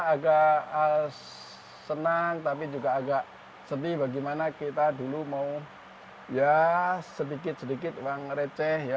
agak senang tapi juga agak sedih bagaimana kita dulu mau ya sedikit sedikit uang receh ya